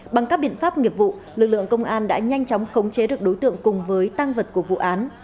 bằng các biện pháp nghiệp vụ lực lượng công an đã nhanh chóng khống chế được đối tượng cùng với tăng vật của vụ án